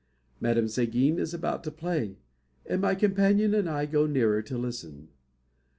Madame Seguin is about to play, and my companion and I go nearer to listen.